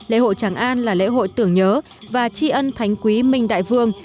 lễ hội tràng an là lễ hội tưởng nhớ và tri ân thánh quý minh đại vương